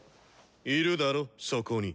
いるだろそこに。